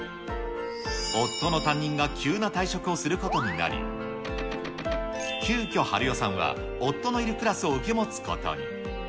夫の担任が急な退職をすることになり、急きょ、晴代さんは夫のいるクラスを受け持つことに。